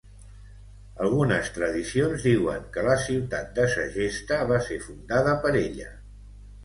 Algunes tradicions diuen que la ciutat de Segesta va ser fundada per ella.